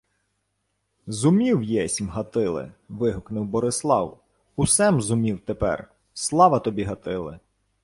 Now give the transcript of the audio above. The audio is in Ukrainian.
— Зумів, єсмь, Гатиле! — вигукнув Борислав. — Усе-м зумів тепер. Слава тобі, Гатиле!